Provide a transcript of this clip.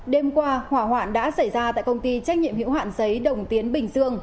đêm qua hỏa hoạn đã xảy ra tại công ty trách nhiệm hữu hoạn giấy đồng tiến bình dương